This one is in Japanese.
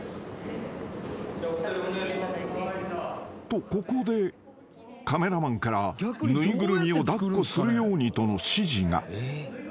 ［とここでカメラマンから縫いぐるみを抱っこするようにとの指示が］